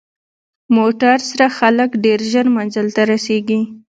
موټر سره خلک ډېر ژر منزل ته رسېږي.